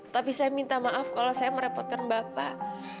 tapi saya minta maaf kalau saya merepotkan bapak